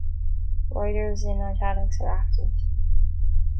Riders in italics are active.